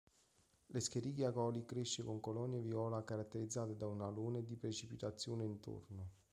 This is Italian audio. L'escherichia coli cresce con colonie viola caratterizzate da un alone di precipitazione intorno.